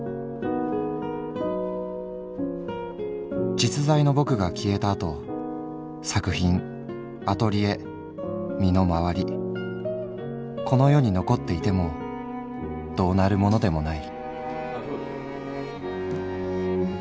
「実在のぼくが消えたあと作品アトリエ身の回りこの世に残っていてもどうなるものでもない」。